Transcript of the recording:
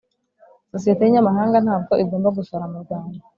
sosiyete y inyamahanga ntabwo igomba gusora mu Rwanda